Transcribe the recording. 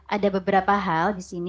ada beberapa hal di sini